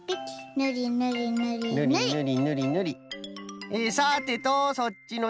ぬりぬりぬりぬりぬり。